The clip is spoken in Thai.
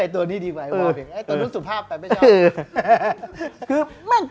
ตัวนี้ดีไปตัวนู้นสุภาพแบบไม่ชอบ